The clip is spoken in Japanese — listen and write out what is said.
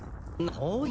はい。